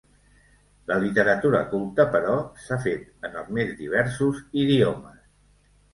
La literatura culta, però, s'ha fet en els més diversos idiomes.